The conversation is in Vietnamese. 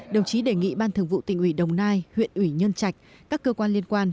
đồng chí đề nghị ban thường vụ tỉnh ủy đồng nai huyện ủy nhân trạch các cơ quan liên quan